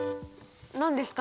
何ですか？